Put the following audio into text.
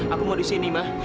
aku mau di sini mah